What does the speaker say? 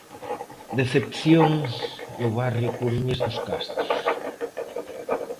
Decepción no barrio coruñés dos Castros.